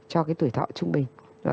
cho cái tuổi thọ trung bình